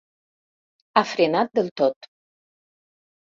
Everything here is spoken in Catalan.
Ha frenat del tot.